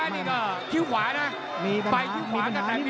ตรงขึ้นขวาน่ะมีปัญหาตัดจากนิดนึง